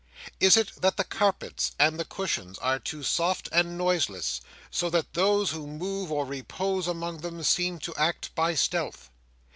Is it that the carpets and the cushions are too soft and noiseless, so that those who move or repose among them seem to act by stealth?